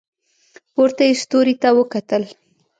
پورته یې ستوري ته وکتل.